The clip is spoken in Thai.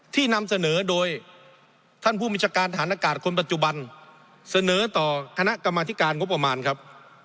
นำเสนอโดยท่านผู้บัญชาการฐานอากาศคนปัจจุบันเสนอต่อคณะกรรมธิการงบประมาณครับ